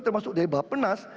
termasuk dari bapak penas